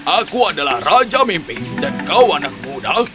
aku adalah raja mimpi dan kau anak muda